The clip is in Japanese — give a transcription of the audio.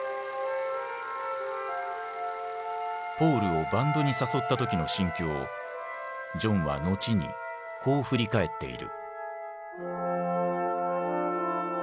ポールをバンドに誘った時の心境をジョンは後にこう振り返っている。